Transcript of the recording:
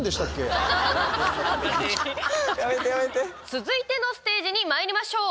続いてのステージにまいりましょう。